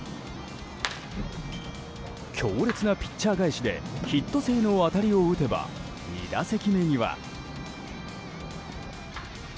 強烈なピッチャー返しでヒット性の当たりを打てば２打席目には。